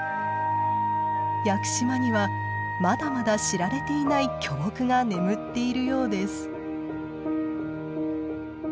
屋久島にはまだまだ知られていない巨木が眠っているようです。